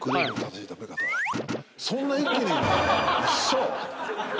そんな一気に⁉嘘！